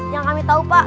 yang kami tahu pak